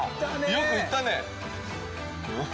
よくいったね。